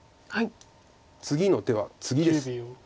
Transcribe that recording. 次の手はツギです。